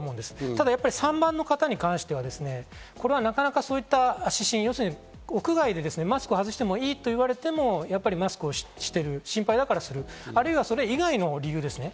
ただやっぱり３番の方に関しては、これはなかなか屋外でマスクを外してもいいと言われてもマスクをしている、心配だからする、あるいはそれ以外の理由ですね。